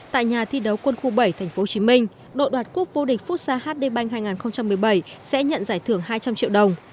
tại nhà thi đấu quân khu bảy tp hcm đội đoạt cúp vô địch phút xa hd bank hai nghìn một mươi bảy sẽ nhận giải thưởng hai trăm linh triệu đồng